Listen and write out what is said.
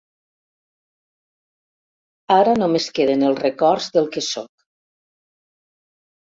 Ara només queden els records del que sóc.